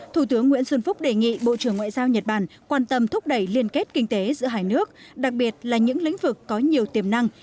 thủ tướng nguyễn xuân phúc đề nghị bộ trưởng ngoại giao nhật bản quan tâm thúc đẩy liên kết kinh tế giữa hai nước đặc biệt là những lĩnh vực có nhiều tiềm năng